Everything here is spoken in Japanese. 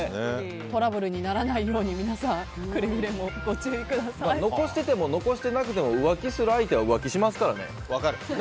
トラブルにならないように残していても残していなくても浮気する人は浮気しますからね。